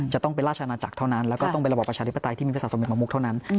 จะต้องเป็นราชอาณาจักรเท่านั้นแล้วก็ต้องเป็นระบอบประชาธิปไตยที่มีพระศาสมเด็จประมุกเท่านั้น